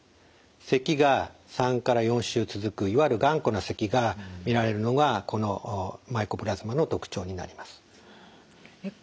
せきが３から４週続くいわゆる頑固なせきが見られるのがこのマイコプラズマの特徴になります。